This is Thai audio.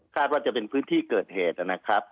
ว่าจะเป็นพื้นที่เกิดเหตุนะครับ